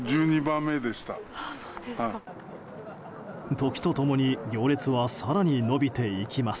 時と共に行列は更に延びていきます。